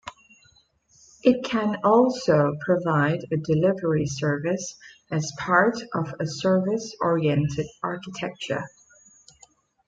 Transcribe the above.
It can also provide a delivery service as part of a service oriented architecture.